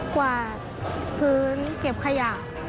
กวาดพื้นเก็บขยะ